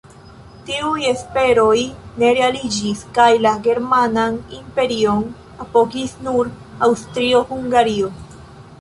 Tiuj esperoj ne realiĝis kaj la Germanan Imperion apogis nur Aŭstrio-Hungario.